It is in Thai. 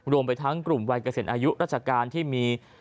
รวมไปทั้งกลุ่มวัยเกษียณอายุราชการที่มี